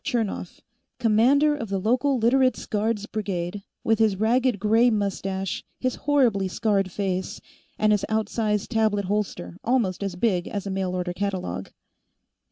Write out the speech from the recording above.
Chernov, commander of the local Literates' guards brigade, with his ragged gray mustache, his horribly scarred face, and his outsize tablet holster almost as big as a mail order catalogue.